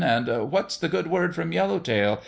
" and " What's the good word from Yellow Tail